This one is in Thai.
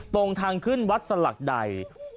ตรงทางขึ้นวัดสลักใด